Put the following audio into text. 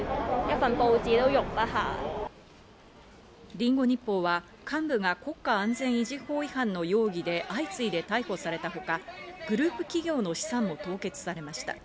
リンゴ日報は幹部が国家安全維持法違反の容疑で相次いで逮捕されたほか、グループ企業の資産も凍結されました。